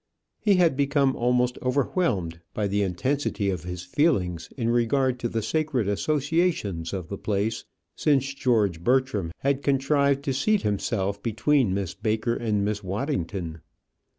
He had become almost overwhelmed by the intensity of his feelings in regard to the sacred associations of the place, since George Bertram had contrived to seat himself between Miss Baker and Miss Waddington.